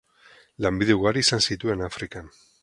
Lanbide ugari izan zituen Afrikan.